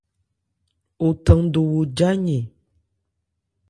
O than do wo jâ yɛn.